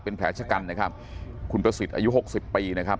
เป็นแผลชะกันนะครับคุณประสิทธิ์อายุหกสิบปีนะครับ